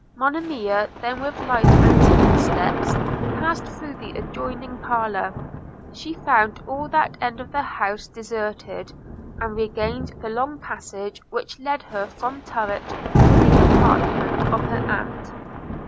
Monimia then with light and timid steps passed through the adjoining parlour. She found all that end of the house deserted, and regained the long passage which led from her turret to the apartment of her aunt.